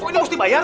kok ini mesti bayar